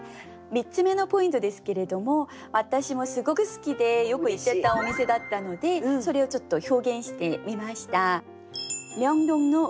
３つ目のポイントですけれども私もすごく好きでよく行ってたお店だったのでそれを表現してみました。